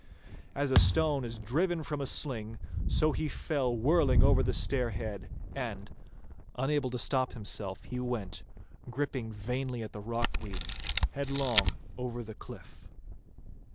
As a stone is driven from a sling, so he fell whirling over the stair head, and, unable to stop himself, he went, gripping vainly at the rock weeds, headlong over the cliff.